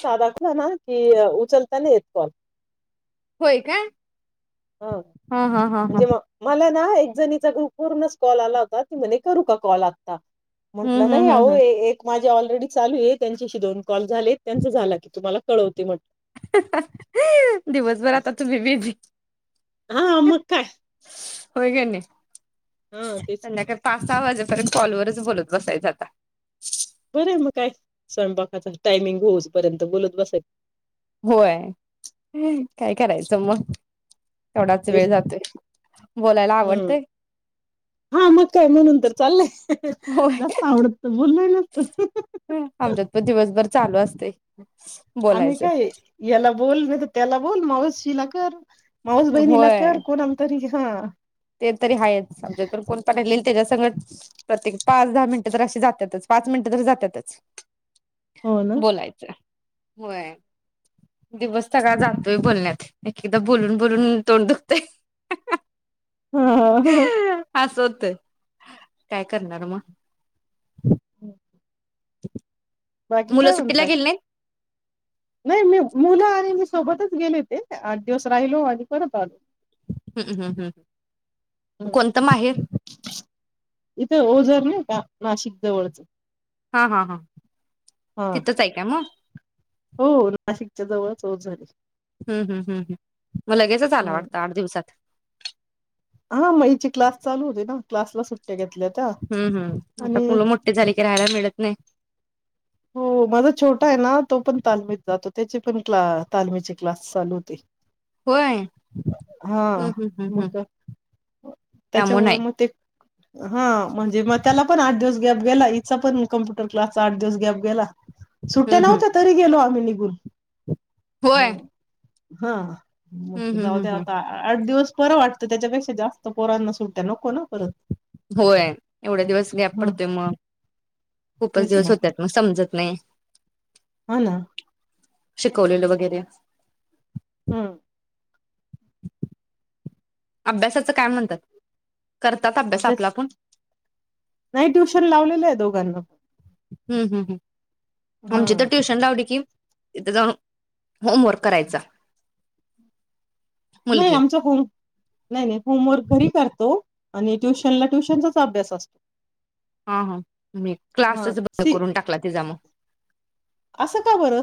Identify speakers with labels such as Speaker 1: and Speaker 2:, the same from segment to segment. Speaker 1: साधाच [unintelligible] की [unintelligible] नाहीत का?
Speaker 2: होय काय
Speaker 1: हा म्हणजे मी मला न हा एक जणीचा [unintelligible] पूर मिस कॉल होता ती म्हणे करू का कॉल आत्ता
Speaker 2: हम्म हम्म हम्म
Speaker 1: निघाल्यावर माझे थोडी चालू आहे त्यांच्याशी दोन कॉल झालं त्यांच झालं की तुम्हाला कळवते
Speaker 2: अह ह हा दिवसभर आता तुम्ही बिझी
Speaker 1: हा मग काय
Speaker 2: होय काय नाही? [inaudible]
Speaker 1: हा तेच
Speaker 2: संध्याकाळी पाच सहा वाजेप अजून कॉल वरच बोलत बसायचा आता
Speaker 1: करेन मग काय स्वयंपाकाचा टाइमिंग होवूसपर्यंत
Speaker 2: होय काय करायचं मग? तेवढाच वेळ जातोय बोलायला आवडतंय
Speaker 1: हा मग काय म्हणून तर चालय.
Speaker 2: होय
Speaker 1: नसते आवडत तर बोललंही नसतं.
Speaker 2: आमच्यात पण दिवसभर चालू असते.
Speaker 1: आम्ही काय याला बोल नाही तर त्याला बोल मावशीला कर. मावस बहीनीला
Speaker 2: होय
Speaker 1: कर कोणाला तरी हा.
Speaker 2: ते तरी हायच आमच्यात पण कोण पान्याला येईल तेज्या सकट प्रत्येक पाच दहा मिनिट तर अशी ज्यात्यातच, पाच मिनट तर जात्याच.
Speaker 1: हो ना
Speaker 2: बोलायचं. होय दिवस सगळा जातोय बोलण्यात एक-एकदा बोलून बोलून तोंड दुखतयं.
Speaker 1: हं हं.
Speaker 2: अस होतंय. काय करणार मग?
Speaker 1: हम्म.
Speaker 2: [unintelligible] मुलं सुट्टीला गेली नाहीत?
Speaker 1: नाही मी मुलं आणि मी सोबतच गेले होते आठ दिवस राहिलो आणि परत आलो.
Speaker 2: ह, ह, कोणत माहेर.
Speaker 1: इथे ओझर नाही का नाशिक जवळचं?
Speaker 2: हा हा हा तिथेच आहे का मग?
Speaker 1: हो नाशिकच्या जवळचं ओझर आहे.
Speaker 2: हम्म हम्म मग लगेचच आला
Speaker 1: आहे
Speaker 2: वाटत दोन दिवसात.
Speaker 1: हा मईची क्लास चालू होते ना क्लासला सुट्
Speaker 2: हम्म हम्म आता मुलं मोठी झाली की राहायला मिळतं नाही.
Speaker 1: हो माझा छोटा आहे ना तो पण तालमीत जातो त्याची पण तालमीची क्लास चालू होती.
Speaker 2: होय
Speaker 1: हा
Speaker 2: हम्म हम्म हम्म
Speaker 1: म
Speaker 2: हम्म
Speaker 1: ते त्याच्या
Speaker 2: त्यामुळे
Speaker 1: मुळ
Speaker 2: नाही
Speaker 1: मग ते हा म्हणजे म त्याला पण आठ दिवस गॅप गेला. हीचा पण कॉम्पुटर क्लासचा आठ दिवस गॅप गेला सुट्ट्या
Speaker 2: हम्म हम्म
Speaker 1: नव्हत्या तरी गेलो आम्ही नि बोल.
Speaker 2: होय.
Speaker 1: हा.
Speaker 2: हम्म हम्म हम्म
Speaker 1: जाऊद्या
Speaker 2: हम्म
Speaker 1: आता आठ दिवस बरं वाटतं त्याच्या पेक्षा जास्त पोरांना सु
Speaker 2: होय एवढ्या दिवस गॅप
Speaker 1: हम्म
Speaker 2: पडतय म खूपच
Speaker 1: तेच
Speaker 2: दिवस
Speaker 1: ना
Speaker 2: होत्यात न समजत नाही
Speaker 1: हा ना
Speaker 2: शिकवलेल वगैरे
Speaker 1: हं
Speaker 2: अभ्यासाच काय मनतात करतात अभ्यास आपला आपूण
Speaker 1: नाही ट्युशन लावलेलय दोघांना
Speaker 2: अं, हं, हं, हं
Speaker 1: हा
Speaker 2: आमची तर ट्युशन लावली की तिथं जाऊन होमवर्क करायचा.
Speaker 1: नाही
Speaker 2: मुलगी
Speaker 1: आमचा होम नाही नाही होम वर्क घरी करतो. आणि ट्युशनला ट्युशनचाच अभ्यास असतो
Speaker 2: हा हा मी
Speaker 1: हा
Speaker 2: क्लासच बंद
Speaker 1: सी
Speaker 2: करून टाकला तिजा मग
Speaker 1: असं का बरं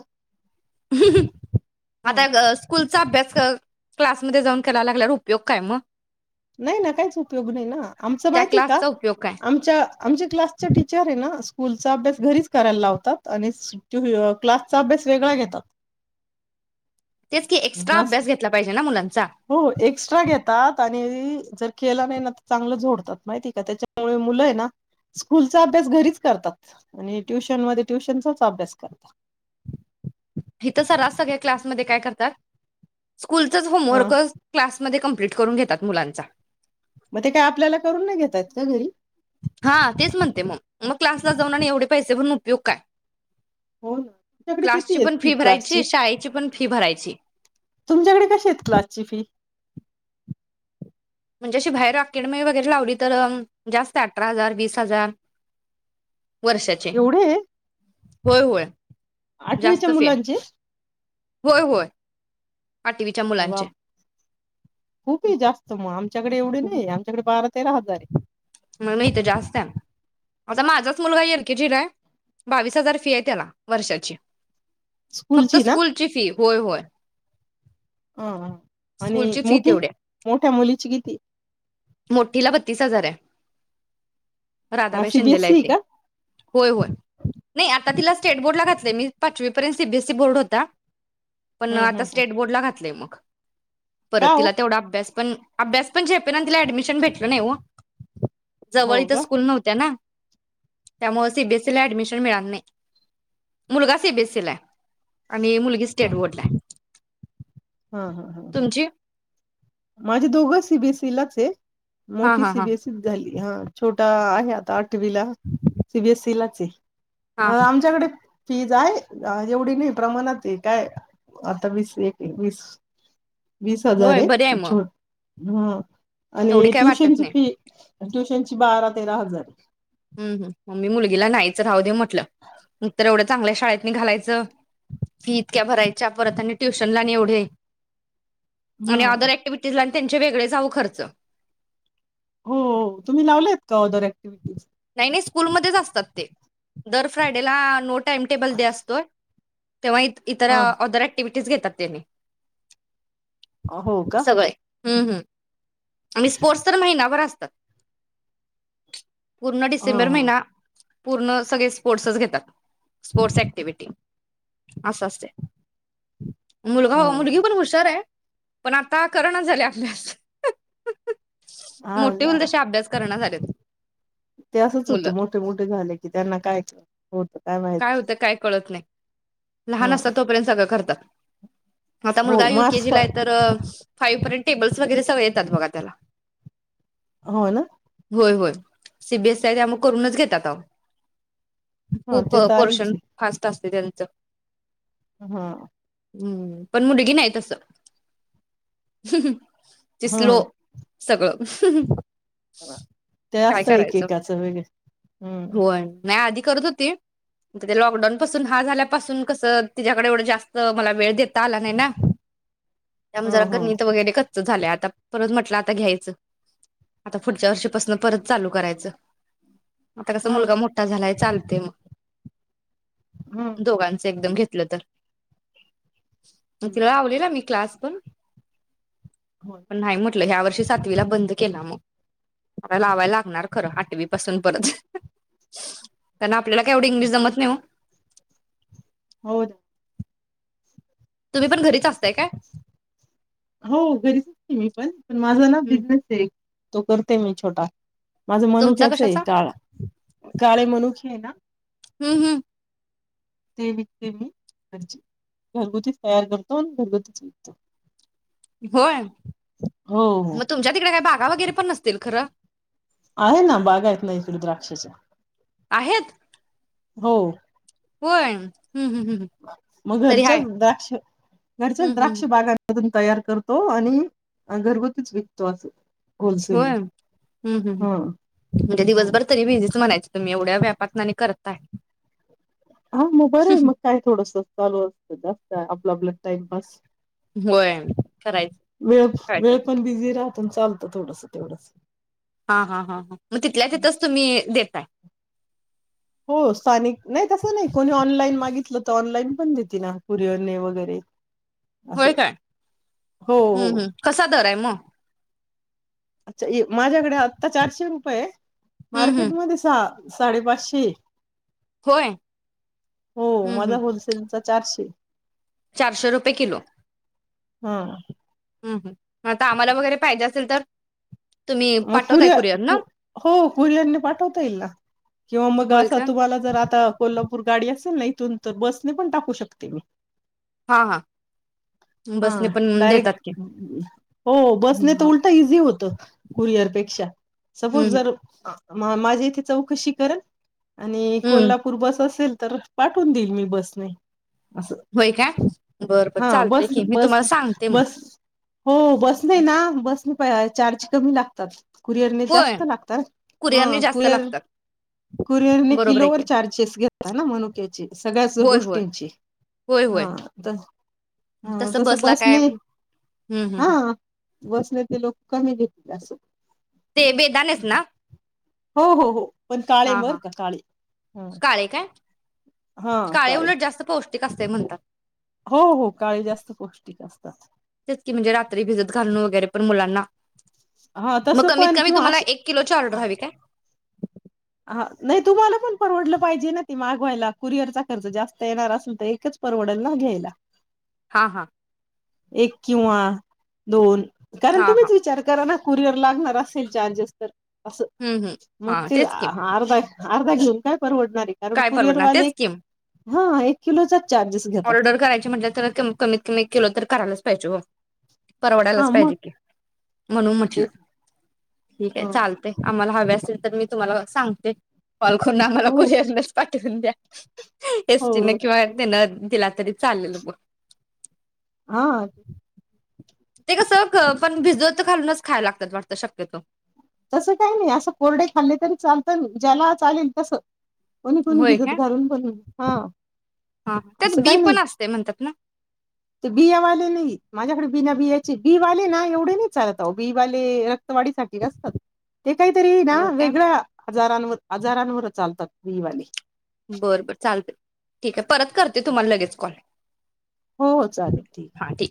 Speaker 2: हं हं
Speaker 1: हा
Speaker 2: आता ग स्कूल चा अभ्यास क्लास मध्ये जाऊन कराय लागल्यावर उपयोग काय मग
Speaker 1: नाही ना काहीच उपयोग नाही ना आमचं
Speaker 2: त्या
Speaker 1: माहितेय का
Speaker 2: क्लासचा उपयोग काय
Speaker 1: आमच्या आमच्या क्लासच्या टीचरेना असं स्कूलचा अभ्यास घरीच करायला लावतात आणि स टू अ क्लासचा अभ्यास वेगळा घेतात
Speaker 2: तेच की एक्स्ट्रा
Speaker 1: मस्त
Speaker 2: अभ्यास घेतला पाहिजे ना मुलांचा
Speaker 1: हो एक्स्ट्रा घेतात आणि जर केला नाही न तर चांगलं झोडतात माहितेय का त्याच्यामुळे मुलय ना स्कूलचा अभ्यास घरीच करतात आणि ट्युशन मध्ये ट्युशनचाच अभ्यास करतात
Speaker 2: हितं सर्रास सगळ्या क्लास मध्ये काय करतात स्कूलचाच
Speaker 1: हा
Speaker 2: होमवर्क क्लास मध्ये कम- - कंप्लीट करून घेतात मुलांचा
Speaker 1: मग ते काय आपल्याला करून नाही घेता येत का घरी
Speaker 2: हा तेच मनतेय मग मग क्लासला जाऊन आणि एवढे पैसे भरून उपयोग काय
Speaker 1: हो ना तुमच्याकडे
Speaker 2: क्लासची
Speaker 1: किती आहेत
Speaker 2: पण फी
Speaker 1: क्लासची
Speaker 2: भरायची. शाळेची पण फी भरायची. ची
Speaker 1: तुमच्याकडे कशी आहेत क्लासची फी
Speaker 2: म्हणजे अशी बाहेर अकॅडमी वगैरे लावली तर अ जास्त आहे अठरा हजार वीस हजार वर्षाची
Speaker 1: एवढे
Speaker 2: होय होय
Speaker 1: आठवीच्या
Speaker 2: जास्त फी आहे
Speaker 1: मुलांची
Speaker 2: होय होय आठवीच्या मुलांचे
Speaker 1: वाफ खूप हाय जास्त मग. आमच्याकडे एवढे नाहीये आमच्याकडे बा
Speaker 2: मना इथे जास्त आहे. आता माझाच मुलगा एलकेजीलाय बावीस हजार फी आहे त्याला वर्षाची.
Speaker 1: स्कूल
Speaker 2: फक्त
Speaker 1: ची ना
Speaker 2: स्कूलची फी होय होय
Speaker 1: अअ अनी
Speaker 2: स्कूलची फी
Speaker 1: मोठी?
Speaker 2: तेवढी आहे
Speaker 1: मोठ्या मुलीची कितीय?
Speaker 2: तीस हजार ये राधाबाई शिंदेला
Speaker 1: सीबीएसई
Speaker 2: येते.
Speaker 1: का
Speaker 2: होय होय नाही आता तिलाच स्टेट बोर्ड ला घातलाय मी पाचवी पर्यन सिबिएसी बोर्ड होता. पण
Speaker 1: हम्म हम्म
Speaker 2: आता
Speaker 1: हम्म
Speaker 2: स्टेट बोर्ड ला घातलंय मं
Speaker 1: का
Speaker 2: परत
Speaker 1: हो
Speaker 2: तिला तेवढा अभ्यास पण अभ्यास पण झेपेना अन तिला ऍडमिशन भेटल नाही ओ. जवळ
Speaker 1: हो
Speaker 2: हीत
Speaker 1: का
Speaker 2: स्कूल नव्हत्या ना. त्यामुळं सिबिएसीला एडमिशन मिळाल नाही मुलगा सिबिएसीलाय. अणि मुलगी
Speaker 1: ह
Speaker 2: स्टेट बोर्डलाय.
Speaker 1: हा हा. माझे दोघ सिबिएसी लाच ये.
Speaker 2: हा
Speaker 1: मोठी
Speaker 2: हा हा
Speaker 1: सिबिएसी त झाली. [unintelligible] छोटा आहे आता आठवी ला सीबीएसई ला [unintelligible]
Speaker 2: हा
Speaker 1: अ आमच्याकडे फीज आहे एवढी नाही प्रमाणात आहे काय, आता वीस एक वीस वीस हजार
Speaker 2: होय
Speaker 1: ये??
Speaker 2: बरी आहे मग
Speaker 1: झो हम्म
Speaker 2: एवढी
Speaker 1: अणि
Speaker 2: काय वाटत
Speaker 1: ट्युशनची
Speaker 2: नाही
Speaker 1: फी ट्युशन ची बारा तेरा हजार ये.
Speaker 2: हम्म हम्म मी मुलगीला नाहीच राहू दे म्हटल, मग तर एवढ्या चांगल्या शाळेत नि घालायचं, फी इतक्या भरायच्या परत अनी ट्युशनला आणि एवढे अणि
Speaker 1: हम्म
Speaker 2: ऑदर ऍक्टिव्हटीजला त्यांचे वेगळे च आहो खर्च.
Speaker 1: हो तुम्ही लावलेत का ऑदर ऍक्टिव्हटीज?
Speaker 2: नई स्कूल मधेच असतात ते दर फ्रायडे ला नोट? टाइम टेबल डे असतोय. तेव्हा इत इतर
Speaker 1: हा
Speaker 2: ऑदर ऍक्टिव्हिटी तेच घेतात त्यांनी
Speaker 1: अ हो का
Speaker 2: हम्म हम्म आणि स्पोर्ट्स तर महिनाभर असतात पूर्ण
Speaker 1: हा
Speaker 2: डिसेंबर
Speaker 1: हा.
Speaker 2: महिना पूर्ण सगळे स्पोर्ट्सच घेतात स्पोर्ट्स ऍक्टिव्हटी असं असतय. मुलगा
Speaker 1: हा
Speaker 2: हो. मुलगी पण हुशारए. पण आता करणं झाल्या अभ्यास
Speaker 1: हा
Speaker 2: मोठे होईल
Speaker 1: हा.
Speaker 2: तसे अभ्यास करना झालेत.
Speaker 1: ते असंच
Speaker 2: मुलं
Speaker 1: होतं मोठे मोठे झाले की त्यांना काय क
Speaker 2: काय होतं काय कळत नाही लहान
Speaker 1: ह
Speaker 2: असतात तोपर्यंत सगळं करतात. आता
Speaker 1: हो
Speaker 2: मुलगा
Speaker 1: मार्क्स
Speaker 2: युकेजीला
Speaker 1: प
Speaker 2: आहे तर फाईव्ह पर् टेबल्स वगैरे सगळे येतात बघा त्याला.
Speaker 1: होय ना
Speaker 2: होय होय सी बी एस हाय त्यामुळ करूनच घेतात आहो.
Speaker 1: हा
Speaker 2: खूप
Speaker 1: ते तर आहेच
Speaker 2: पोर्शन फास्ट अस ते त्यांच
Speaker 1: हं ह
Speaker 2: हम्म पण मुलगी नाही तस. ती स्लो
Speaker 1: ह
Speaker 2: सगळं हू हू हू
Speaker 1: ते असय एकेकाचं वेगळ हम्म
Speaker 2: होय नाही आधी करत होती अता ते लॉकडाऊन पासून हा झाल्यापासून कसं तिच्याकडे एवढं जास्त मला वेळ देता आला नाही ना. त्यामुळे
Speaker 1: हा
Speaker 2: जरा
Speaker 1: हा
Speaker 2: गणित वगैरे कच च झालंय आता परत म्हटलं आता घ्यायचं. आता पुढच्या वर्षीपासून परत चालू करायचं. आता कस
Speaker 1: हा
Speaker 2: मुलगा मोठा झालाय चाल ते मग
Speaker 1: हा
Speaker 2: दोघांच एकदम घेत तिथलं तर म तिला लावलेला मी क्लासपण
Speaker 1: हो
Speaker 2: पण नाही मो तीला यावर्षी सातवीला बंद केला मग लावायल लागणार खरं आठवीपासून परत पण आपल्याला एवढी इंग्लिश जमत नाही ओ
Speaker 1: हो द
Speaker 2: तुम्ही पण घरीच असताय काय?
Speaker 1: हो घरीच असते मी पण माझं ना
Speaker 2: हम्म
Speaker 1: बिझनेस आहे. तो करते मी छोटा. माझं
Speaker 2: तुमचा
Speaker 1: मनुक्याच ए
Speaker 2: कशाचा
Speaker 1: काळा काळे मनुच हे ना
Speaker 2: हं हं
Speaker 1: ते विकते मी म्हणजे, घरगुतीच तयार करतो, आणि घरगुतीच विकतो.
Speaker 2: होय
Speaker 1: हो हो
Speaker 2: मग तुमच्या तिकडे काय भा हा वगैरे पण नसतील खरं
Speaker 1: आहे ना बागा आहेत, ना इकडे द्राक्षाच्या.
Speaker 2: आहेत
Speaker 1: हो
Speaker 2: होय हम्म
Speaker 1: मग
Speaker 2: तरी हाय
Speaker 1: घरच्याच द्राक्ष घरच्याच
Speaker 2: हं हं
Speaker 1: द्राक्ष
Speaker 2: हं.
Speaker 1: बागांमधून तयार करतो आणि अन घरगुतीच विकतो असं होलसेल
Speaker 2: होय हुं हुं
Speaker 1: ह
Speaker 2: म्हणजे,
Speaker 1: ह
Speaker 2: दिवसभर तरी बिझीच म्हणायचं. तुम्ही एवढ्या व्यापातन आणि करताय
Speaker 1: अहो मग बरंय मग काय थोडसं चालु असतं जास्त अ प्रॉब्लम टाईमपास
Speaker 2: होय करायचं
Speaker 1: वेळ,
Speaker 2: काय तर
Speaker 1: वेळ पण, बिझी रा तुमच आणतो थोडसं तेवडच
Speaker 2: हाहा हा मग, तिथल्या तिथच तुम्ही देताय.
Speaker 1: हो स्थानिक नाही तसं नाही कोणी ऑनलाईन मागीतलं तर ऑनलाईन पण देते ना कुरीयर ने वगैरे असं
Speaker 2: व्हय काय,
Speaker 1: हो हो
Speaker 2: हं हं कसा दर आहे म?
Speaker 1: स येऊ माझ्याकडे आत्ता चारशे रूपये ए
Speaker 2: हं हं
Speaker 1: मार्केट मध्ये सहा साडेपाचशे ए
Speaker 2: होय हम्म
Speaker 1: माझा
Speaker 2: हम्म
Speaker 1: होलसेलचा चारशे
Speaker 2: चारशे रुपये किलो
Speaker 1: हं
Speaker 2: हं हं आता आम्हाला वगैरे पाहिजे असेल तर तुम्ही
Speaker 1: मं
Speaker 2: पाठवताय
Speaker 1: कुरियर
Speaker 2: कुरिअर ना
Speaker 1: कू हो कुरियर नि पाठवता येईल ना किंवा मंग
Speaker 2: होय
Speaker 1: असा
Speaker 2: का
Speaker 1: तुम्हाला जर आता कोल्हापूर गाडी असं नई इतुन त बस ने पण टाकू शकते मी.
Speaker 2: हाँ हाँ
Speaker 1: हं डायरेक्ट हो
Speaker 2: हं
Speaker 1: बसने तर
Speaker 2: हां.
Speaker 1: उलट इजी होत कुरियर पेक्षा
Speaker 2: हं
Speaker 1: सपोज
Speaker 2: हं
Speaker 1: जर मं माज्या येथे चौकशी करल? आणि
Speaker 2: हं.
Speaker 1: कोल्हापूर बस असेल तर पाठवून देईल मी बसने. असं
Speaker 2: व्हय काय बर बर
Speaker 1: हा
Speaker 2: चालतंय
Speaker 1: बस
Speaker 2: की मी तुम्हाला सांगते मग
Speaker 1: बस हो बसने ना बसने पा अ चार्च कमी लागतात. कुरियरने
Speaker 2: होय
Speaker 1: जास्त लागतात ह
Speaker 2: कुरिअरने जास्त
Speaker 1: कुरिअर
Speaker 2: लागतात
Speaker 1: कुरियरने
Speaker 2: बरोबर आहे की
Speaker 1: किलोवर चार्जेस घेताना मनुक्याचे सगळ्याच
Speaker 2: होय, होय.
Speaker 1: गोष्टींचे
Speaker 2: होय, होय.
Speaker 1: हाँ त हा तसं
Speaker 2: बसला काय
Speaker 1: बसनी
Speaker 2: हं, हं,
Speaker 1: हा
Speaker 2: हं.
Speaker 1: बसनी ते लोक [unintelligible]
Speaker 2: ते बेदाणेच ना?
Speaker 1: हो हो हो पण काळे
Speaker 2: हां, हां.
Speaker 1: बर का काळे हं.
Speaker 2: काळे काय? काळे उलट जास्त पौष् ते का असतं म्हणतात.
Speaker 1: हो हो काळे जास्त पौष्टिक असतात.
Speaker 2: तिच की म्हणजे रात्री भिजत घालून वगैरे पण मुलांना
Speaker 1: हा
Speaker 2: म
Speaker 1: तसं
Speaker 2: कमीत
Speaker 1: पण
Speaker 2: कमी
Speaker 1: किंवा
Speaker 2: तुम्हाला एक किलोची
Speaker 1: अ
Speaker 2: ऑर्डर हवी काय?
Speaker 1: हा नई तुम्हाला पण परवडलं पाहिजे ना ते मागवायला कुरिअरचा खर्च जास्त येणार असल त एकच परवडल ना घ्यायला.
Speaker 2: हा हा
Speaker 1: एक किंवा दोन कारण
Speaker 2: हां, हां.
Speaker 1: तुम्हीच विचार करा ना कुरिअर लागणार असेल चार्जेस तर अस्स
Speaker 2: हं, हं. हां,
Speaker 1: मगते
Speaker 2: तेच की.
Speaker 1: आ अर्धा अर्धा घेऊन काय परवड
Speaker 2: काय
Speaker 1: कुरिअर
Speaker 2: परवडणार?
Speaker 1: वाले
Speaker 2: तेच की.
Speaker 1: हा एक किलोचा चार
Speaker 2: ऑर्डर करायची म्हटलं तर कम कमीत कमी एक किलो तर करालाच पाहिजे वो
Speaker 1: हा
Speaker 2: परवडायलाच
Speaker 1: मग
Speaker 2: पाहिजे की म्हणून म्हटलं
Speaker 1: तेच
Speaker 2: ठीक आहे
Speaker 1: हो
Speaker 2: चालतय आम्हाला हवे असेल तर मी तुम्हाला सांगते. कॉल करून आम्हाला कुरिअर च [unintelligible] [unintelligible] एस टी न
Speaker 1: हो
Speaker 2: किंवा [unintelligible] तिला तरी चाललेल मग
Speaker 1: हां
Speaker 2: ते कस ग पण भिजत घालूनच खायला लागतात वाटतं शक्यतो.
Speaker 1: तसं काही नाही असं कोरडे खाल्ले तरी चालत ज्याला चालेल तसं कोणी कोणी?
Speaker 2: होय
Speaker 1: भिजत
Speaker 2: काय?
Speaker 1: घालून पण हा
Speaker 2: हा त्यात
Speaker 1: असं
Speaker 2: बी
Speaker 1: काही
Speaker 2: पण
Speaker 1: नाही
Speaker 2: असते म्हणतात ना
Speaker 1: ते बिया वाले नाही माझ्याकडे? बीना बियाची बीवाले ना एवढे नाही चालत. आओ बीवाले रक्तवाढीसाठी, हे काहीतरी ना
Speaker 2: होय काय?
Speaker 1: वेगळं आजारांवर आजारांवर चालतात ती वाले
Speaker 2: बरं बर चालतंय, ठीक आहे परत करते तुम्हाला लगेच कॉल.
Speaker 1: हो हो चालेल.
Speaker 2: हा ठीक.